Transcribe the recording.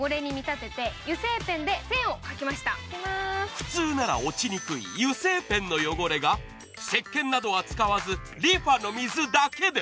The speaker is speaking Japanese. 普通なら落ちにくい油性ペンの汚れが石けんなどを使わず、リファの水だけで。